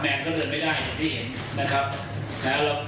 แมงก็เดินไม่ได้อย่างที่เห็นนะครับ